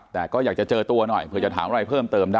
ที่โพสต์ก็คือเพื่อต้องการจะเตือนเพื่อนผู้หญิงในเฟซบุ๊คเท่านั้นค่ะ